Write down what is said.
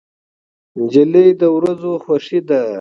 نجلۍ د ورځو خوښي ده.